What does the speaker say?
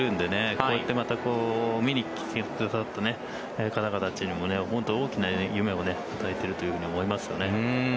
こうやってまた見に来てくださった方たちにも本当に大きな夢を与えているというふうに思いますよね。